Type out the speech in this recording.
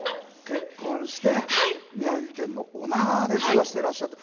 結婚して宮城県の女川で暮らしてらっしゃって。